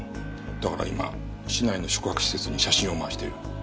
だから今市内の宿泊施設に写真を回している。